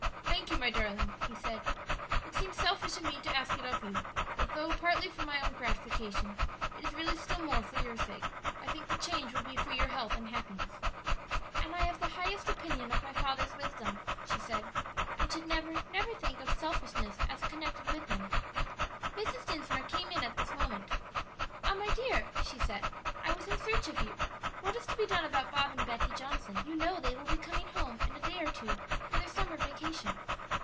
"Thank you, my darling," he said. "It seems selfish in me to ask it of you, but though partly for my own gratification, it is really still more for your sake; I think the change will be for your health and happiness." "And I have the highest opinion of my father's wisdom," she said, "and should never, never think of selfishness as connected with him." Mrs. Dinsmore came in at this moment. "Ah, my dear," she said, "I was in search of you. What is to be done about Bob and Betty Johnson? You know they will be coming home in a day or two for their summer vacation."